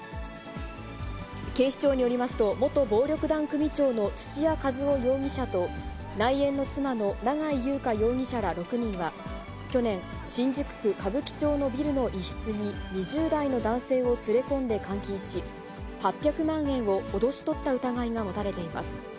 警視庁によりますと、元暴力団組長の土屋和雄容疑者と、内縁の妻の永井優香容疑者ら６人は去年、新宿区歌舞伎町のビルの一室に２０代の男性を連れ込んで監禁し、８００万円を脅し取った疑いが持たれています。